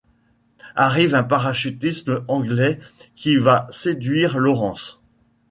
Arrive un parachutiste anglais qui va séduire Laurence.